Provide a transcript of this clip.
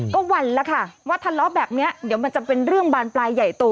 ก็หวั่นแล้วค่ะว่าทะเลาะแบบนี้เดี๋ยวมันจะเป็นเรื่องบานปลายใหญ่โต